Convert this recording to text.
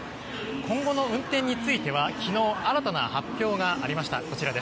今後の運転については昨日、新たな発表がありました。